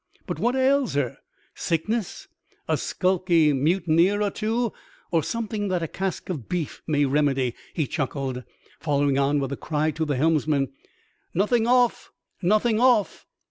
But what ails her? Sickness, a skulking mutineer or two, or something that a cask of beef may remedy?" he chuckled, following on with a cry to the helmsman, " Nothing off, nothing off